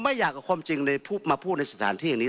ไม่อยากเอาความจริงในพวกมาพูดในสถานที่อย่างนี้